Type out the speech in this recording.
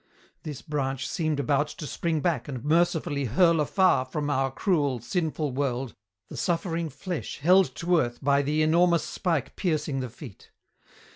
This branch seemed about to spring back and mercifully hurl afar from our cruel, sinful world the suffering flesh held to earth by the enormous spike piercing the feet.